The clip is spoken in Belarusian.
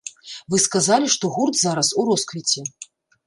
Вы сказалі, што гурт зараз у росквіце.